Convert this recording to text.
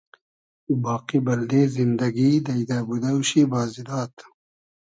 باقی بئلدې زیندئگی دݷدۂ بودۆ شی بازی داد